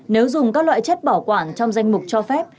nếu dùng các loại chất bảo quản trong danh mục cho phép